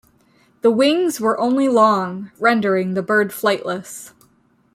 The wings were only long, rendering the bird flightless.